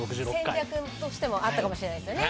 戦略としてもあったかもしれないですね。